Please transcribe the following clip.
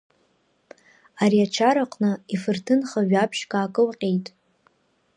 Ари ачараҟны ифырҭынха жәабжьк аакылҟьеит.